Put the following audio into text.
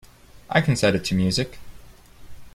I can set it to music.